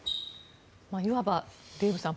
いわばデーブさん